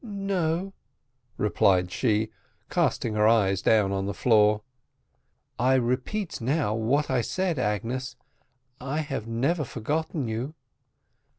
"No," replied she, casting her eyes down on the floor. "I repeat now what I said, Agnes I have never forgotten you."